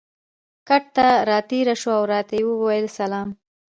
کټ ته را تېره شوه او راته یې وویل: سلام.